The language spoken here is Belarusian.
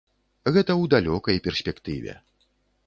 Гэта ў далёкай перспектыве.